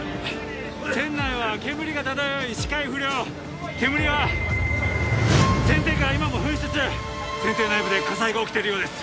船内は煙が漂い視界不良煙は船底から今も噴出中船底内部で火災が起きてるようです